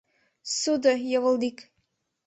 Ссудо йывылдик.